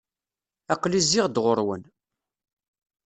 Aql-i zziɣ-d ɣur-wen.